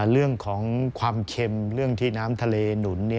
เรื่องของความเค็มเรื่องที่น้ำทะเลหนุน